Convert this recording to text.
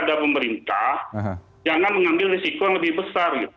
jangan mengambil risiko yang lebih besar